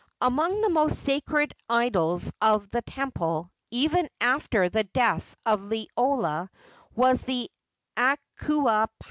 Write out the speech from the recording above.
Among the most sacred idols of the temple, even after the death of Liloa, was the Akuapaao.